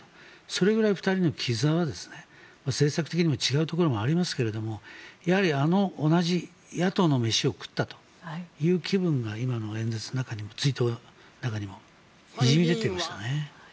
それぐらい２人の絆は政策的にも違うところもありますがあの同じ野党の飯を食ったという気分が今の演説の中にも追悼の中にもにじみ出ていましたね。